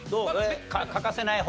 欠かせない方？